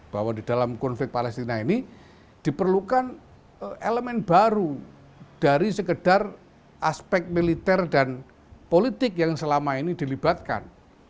bahwa di dalam konflik palestina ini diperlukan elemen baru dari sekedar aspek militer dan politik yang selama ini dilibatkan